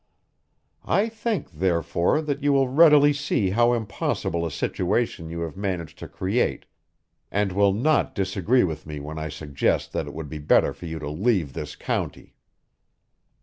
I think, therefore, that you will readily see how impossible a situation you have managed to create and will not disagree with me when I suggest that it would be better for you to leave this county."